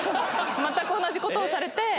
全く同じことをされて。